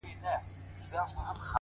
زړه ته د ښايست لمبه پوره راغلې نه ده ـ